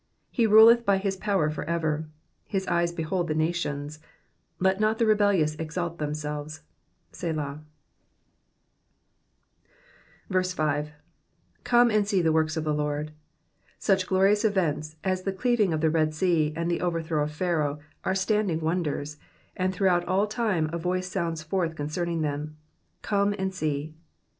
7 He ruleth by his power for ever ; his eyes behold the nations ; let not the rebellious exalt themselves. Selah. Digitized by VjOOQIC 184 EXPOSITIONS OP THE PSALMS. 5. ^^Come and see the toorks of Ood.^^ Such glorious events, as the cleaving of the Red Sea and the overthrow of Pharaoh, are standing wonders, and throughout all time a voice sounds forth concerning them —Come and see.'